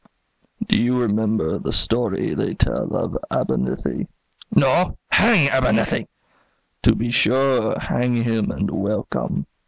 puff, puff, puff. Do you remember the story they tell of Abernethy?" "No; hang Abernethy!" "To be sure! hang him and welcome.